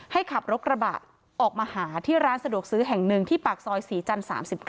ขับรถกระบะออกมาหาที่ร้านสะดวกซื้อแห่งหนึ่งที่ปากซอยศรีจันทร์๓๙